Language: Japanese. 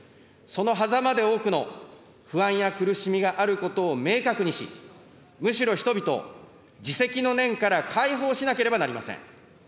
そのはざまで多くの不安や苦しみがあることを明確にし、むしろ人々を自責の念から解放しなければなりません。